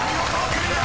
クリア！］